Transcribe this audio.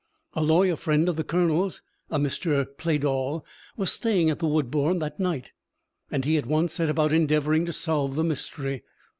A lawyer friend of the colonel's, a Mr. Pleydall, was staying at Woodbourne that night, and he at once set about endeavouring to solve the mystery.